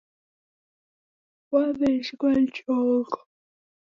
Wawejhighwa ni chongo